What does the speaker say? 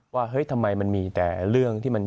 เฮ้ยทำไมมันมีแต่เรื่องที่มัน